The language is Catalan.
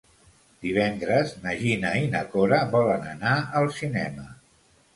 Divendres na Gina i na Cora volen anar al cinema.